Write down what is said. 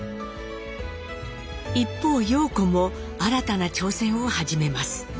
一方様子も新たな挑戦を始めます。